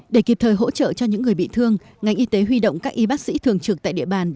để kịp thời hỗ trợ cho những người bị thương ngành y tế huy động các y bác sĩ thường trực tại địa bàn